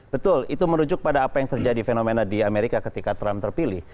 betul itu merujuk pada apa yang terjadi fenomena di amerika ketika trump terpilih